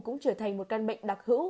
cũng trở thành một căn bệnh đặc hữu